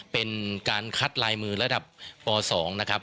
เป็นการคัดลายมือระดับป๒นะครับ